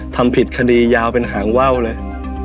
ทำผิดคดียาวเป็นหางว่าวเลย